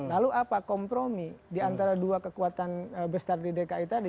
lalu apa kompromi diantara dua kekuatan besar di dki tadi